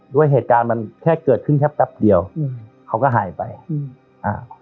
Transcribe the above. ด้วยเหตุการณ์มันแค่เกิดขึ้นแค่แป๊บเดียวอืมเขาก็หายไปอืมอ่า